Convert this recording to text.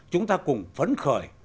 chúng ta cùng phấn khởi